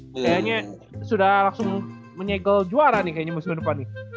kayaknya sudah langsung menyegel juara nih kayaknya musim depan nih